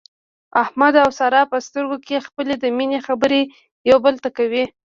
احمد او ساره په سترګو کې خپلې د مینې خبرې یو بل ته کوي.